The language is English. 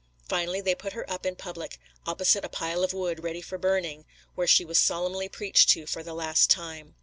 Finally, they put her up in public, opposite a pile of wood ready for burning, where she was solemnly preached to for the last time.